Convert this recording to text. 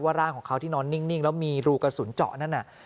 ร่างของเขาที่นอนนิ่งแล้วมีรูกระสุนเจาะนั่นน่ะ